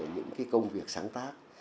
những cái công việc sáng tác